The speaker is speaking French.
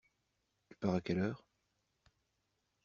Tu pars à quelle heure?